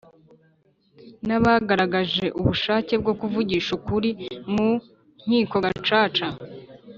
n abagaragaje ubushake bwo kuvugisha ukuri mu nkiko Gacaca